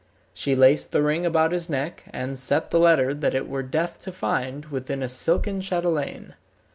She laced the ring about his neck, and set the letter that it were death to find, within a silken chatelaine.